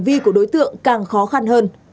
vì của đối tượng càng khó khăn hơn